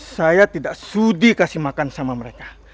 saya tidak sudi kasih makan sama mereka